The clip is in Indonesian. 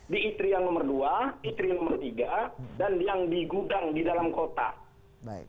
di itrian nomor dua itrian nomor tiga dan yang di gudang di dalam kota